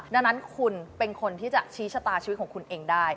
ดังนั้นคุณเป็นคนที่จะชี้ชะตาชีวิตของคุณเองได้